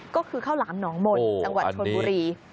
ก็คือข้าวหลามหนองมนต์จังหวัดชนบุรี